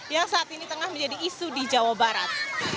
yang saat ini tengah menjadi isu di jawa barat